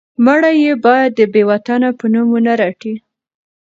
مړی یې باید د بې وطنه په نوم ونه رټي.